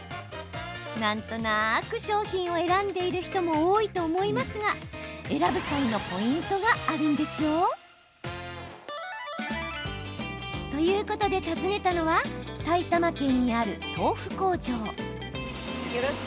なんとなく商品を選んでいる人も多いと思いますが選ぶ際のポイントがあるんです。ということで、訪ねたのは埼玉県にある豆腐工場。